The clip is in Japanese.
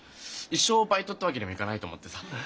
一生バイトってわけにもいかないと思ってさ。